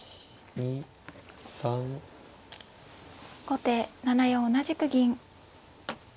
後手７四同じく銀。